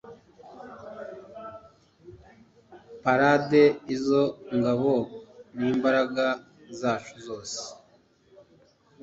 Parade izo ngabo Nimbaraga zacu zose